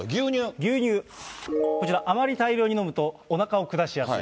牛乳、こちら、あまり大量に飲むと、おなかを下しやすい。